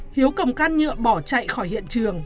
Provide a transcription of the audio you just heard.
hiếu cầm căn nhựa bỏ chạy khỏi hiện trường